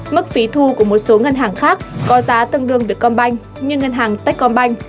mức phí thu của một số ngân hàng khác có giá tương đương việt công banh như ngân hàng tết công banh